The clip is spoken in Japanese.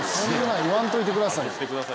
言わんといてくださいよ。